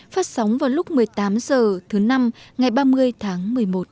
phát sóng vào lúc một mươi tám h thứ năm ngày ba mươi tháng một mươi một